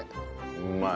うまい。